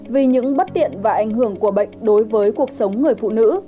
vì những bất tiện và ảnh hưởng của bệnh đối với cuộc sống người phụ nữ